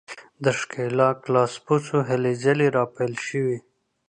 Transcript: د ښکېلاک لاسپوڅو هلې ځلې راپیل شوې.